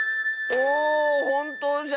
おおほんとうじゃ！